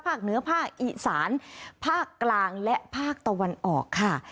เหนือภาคอีสานภาคกลางและภาคตะวันออกค่ะ